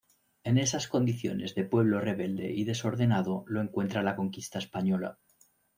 En esas condiciones de pueblo rebelde y desordenado lo encuentra la conquista española.